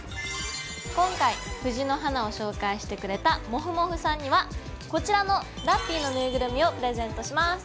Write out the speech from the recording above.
今回藤の花を紹介してくれたもふもふさんにはこちらのラッピィのぬいぐるみをプレゼントします！